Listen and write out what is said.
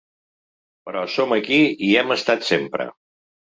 Però som aquí i hi hem estat sempre.